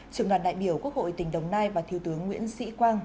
trưởng đoàn đại biểu quốc hội tỉnh đồng nai và thiếu tướng nguyễn sĩ quang